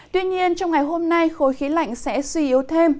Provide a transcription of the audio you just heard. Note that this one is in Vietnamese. tuy nhiên trong ngày hôm nay khối khí lạnh sẽ suy yếu thêm